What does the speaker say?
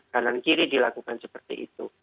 kanan kiri dilakukan seperti itu